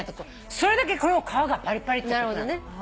それだけこの皮がパリパリってこと。